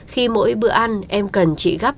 khi mỗi bữa ăn em cần chị gắp